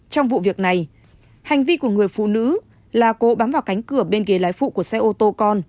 trong vụ việc này hành vi của người phụ nữ là cố bắm vào cánh cửa bên ghế lái phụ của xe ô tô con